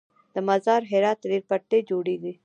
د مزار - هرات ریل پټلۍ جوړیږي؟